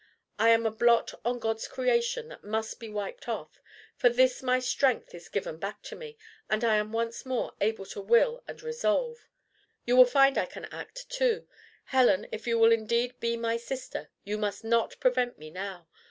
I am a blot on God's creation that must be wiped off. For this my strength is given back to me, and I am once more able to will and resolve. You will find I can act too. Helen, if you will indeed be my sister, you must NOT prevent me now.